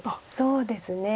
そうですね。